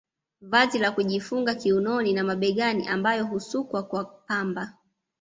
Vazi la kujifunga kiunoni na mabegani ambayo husukwa kwa pamba